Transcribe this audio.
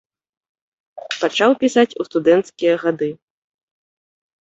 Пачаў пісаць у студэнцкія гады.